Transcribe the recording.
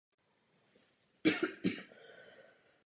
Musíme přijmout argumenty skeptiků a čelit jim.